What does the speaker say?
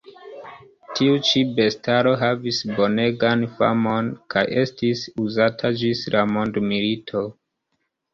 Tiu ĉi bestaro havis bonegan famon kaj estis uzata ĝis la mondmilito.